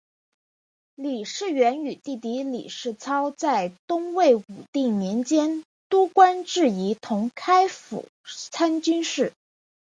李士元与弟弟李士操在东魏武定年间都官至仪同开府参军事。